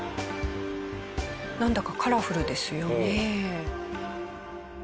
なんだかカラフルですよね。